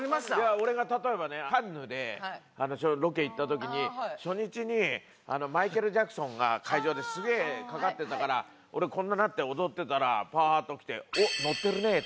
俺が例えばね、カンヌでちょうどロケ行ったときに初日に、マイケル・ジャクソンが会場ですげーかかってたから、俺、こんななって踊ってたら、ぱーっと来て、おっ！